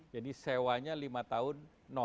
jadi sewanya lima tahun